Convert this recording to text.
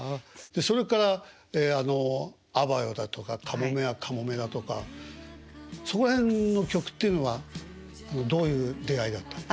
それから「あばよ」だとか「かもめはかもめ」だとかそこら辺の曲っていうのはどういう出会いだったんですか？